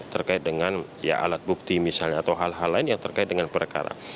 terkait dengan alat bukti misalnya atau hal hal lain yang terkait dengan perkara